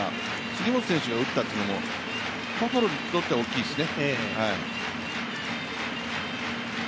杉本選手が打ったというのはバファローズにとっては大きいですよね。